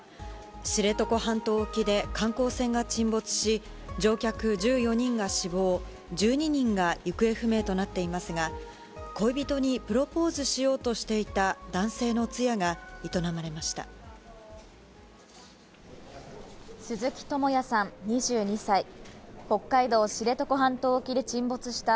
知床半島沖で観光船が沈没し、乗客１４人が死亡、１２人が行方不明となっていますが、恋人にプロポーズしようとしていた男性の通夜が営まれました。